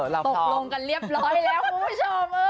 ตกลงกันเรียบร้อยแล้วคุณผู้ชม